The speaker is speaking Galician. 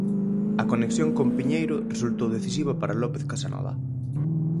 A conexión con Piñeiro resultou decisiva para López Casanova.